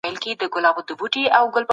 د مطالعې فرهنګ په کور او مکتب کي غني کیږي.